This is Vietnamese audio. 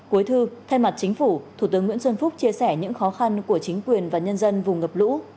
cuối thư thay mặt chính phủ thủ tướng nguyễn xuân phúc chia sẻ những khó khăn của chính quyền và nhân dân vùng ngập lũ